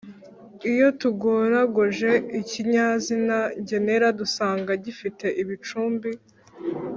iyo tugoragoje ikinyazina ngenera dusanga gifite ibicumbi